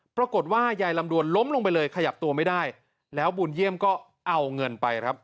ปรากฏว่ายายลำดวนล้มลงไปเลยขยับตัวไม่ได้แล้วบุญเยี่ยมก็เอาเงินไปครับ